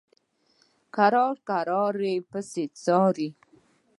کرار کرار یې پسې څاره.